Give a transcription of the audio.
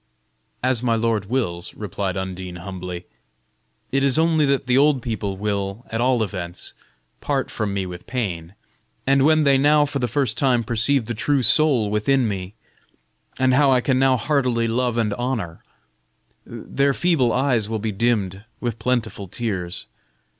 "As my lord wills," replied Undine, humbly. "It is only that the old people will, at all events, part from me with pain, and when they now for the first time perceive the true soul within me, and how I can now heartily love and honor, their feeble eyes will be dimmed with plentiful tears.